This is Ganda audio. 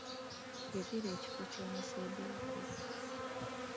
Yogera ekifo ky'omusemberako.